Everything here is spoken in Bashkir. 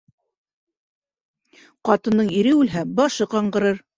Ҡатындың ире үлһә, башы ҡаңғырыр